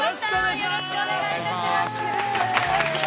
◆よろしくお願いします。